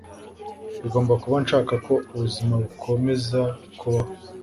Bigomba kuba nshaka ko ubuzima bukomeza kubaho